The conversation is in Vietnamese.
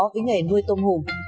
với nghề nuôi tôm hùm